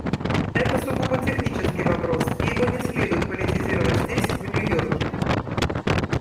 Это сугубо технический вопрос, и его не следует политизировать здесь, в Нью-Йорке.